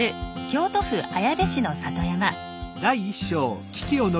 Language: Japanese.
京都府綾部市の里山。